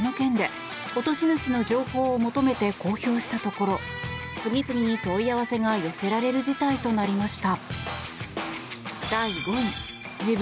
警察がこの件で落とし主の情報を求めて公表したところ次々に問い合わせが寄せられる事態となりました。